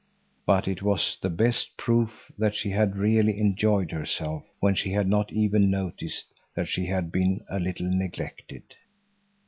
But it was the best proof that she had really enjoyed herself when she had not even noticed that she had been a little neglected.